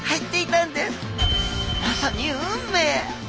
まさに運命！